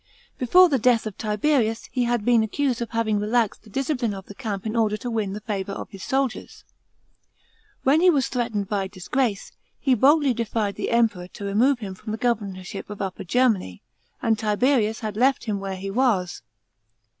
Before the death of Tiberius, he had b. en accused of having relaxed the discipline of the camp in order to win the favour of his soldiers. When he was threatened by disgrace, he boldly defied the Emperor tc 224 THE PRINCIPATE OF GAIUS CHAP. xiv. remove him from the governorship of Upper Germany, and Tiberius had left him where he was.